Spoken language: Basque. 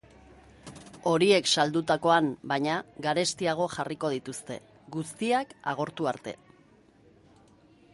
Horiek saldutakoan, baina, garestiago jarriko dituzte, guztiak agortu arte.